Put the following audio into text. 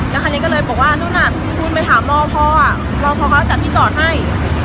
แล้วคราวนี้ก็เลยบอกว่านู่นน่ะนู่นไปถามรอพอรอพอเขาจัดที่จอดให้